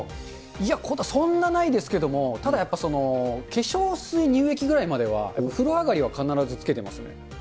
いや、そんなないですけども、ただ、やっぱ、化粧水、乳液ぐらいまでは風呂上がりは必ずつけてますね。